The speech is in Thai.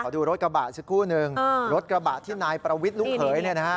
ขอดูรถกระบะสักครู่หนึ่งรถกระบะที่นายประวิษฐ์ลุกเผย